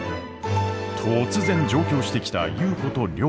突然上京してきた優子と良子。